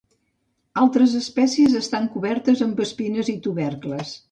Altres espècies estan cobertes amb espines i tubercles.